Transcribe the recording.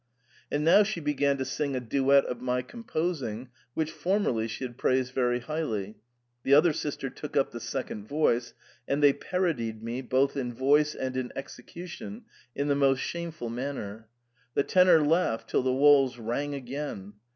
And now she began to sing a duet of my composing, which formerly she had praised very highly. The other sister took up the second voice, and they parodied me both in voice and in execution in the most shameful manner. The tenor laughed till the walls rang again.